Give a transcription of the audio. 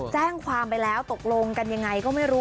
แจ้งความไปแล้วตกลงกันยังไงก็ไม่รู้